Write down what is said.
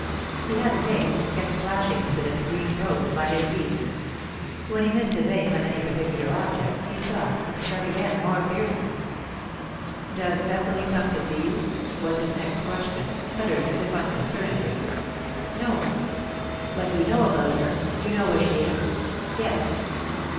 He had a cane, and kept slashing with it at the green growths by his feet. When he missed his aim at any particular object, he stopped and struck again, more fiercely. "Does Cecily come to see you?" was his next question, uttered as if unconcernedly. "No." "But you know about her? You know where she is?" "Yes."